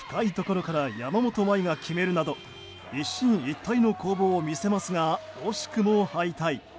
深いところから山本麻衣が決めるなど一進一退の攻防を見せますが惜しくも敗退。